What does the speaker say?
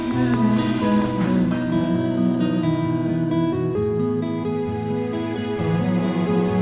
getar butik jiwa